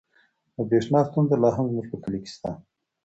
د برښنا ستونزه لا هم زموږ په کلي کې شته.